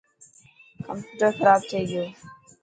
ڪمپيوٽر کراب ٿي گيو.